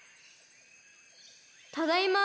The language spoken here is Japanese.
・ただいま。